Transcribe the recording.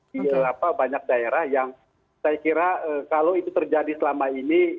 di banyak daerah yang saya kira kalau itu terjadi selama ini